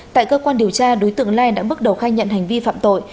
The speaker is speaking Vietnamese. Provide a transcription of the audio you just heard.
tại cơ quan điều tra đối tượng lai đã bước đầu khai nhận hành vi phạm tội